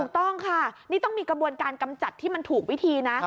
ต้องค่ะนี่ต้องมีกระบวนการกำจัดที่มันถูกวิธีนะ